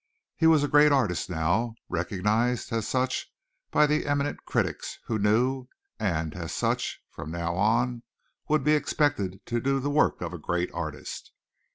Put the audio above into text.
He was a great artist now recognized as such by the eminent critics who knew; and as such, from now on, would be expected to do the work of a great artist.